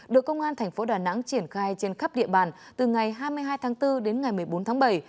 được công an thành phố đà nẵng triển khai trên khắp địa bàn từ ngày hai mươi hai tháng bốn đến ngày một mươi bốn tháng bảy